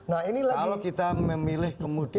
kalau kita memilih kemudian